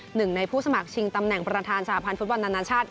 หนึ่งในผู้สมัครชิงตำแหน่งประธานสหพันธ์ฟุตบอลนานาชาติ